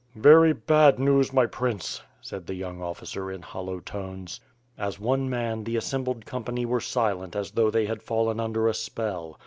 "Very bad news, my Prince," said the young officer in hollow tones. As one man the assembled company were silent as though they had fallen under a spell.